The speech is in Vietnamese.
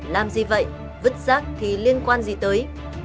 làm gì vậy vứt rác thì liên quan gì tới